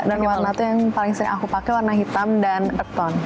dan warna itu yang paling sering aku pakai warna hitam dan erton